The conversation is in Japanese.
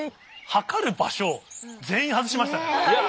測る場所全員外しましたね。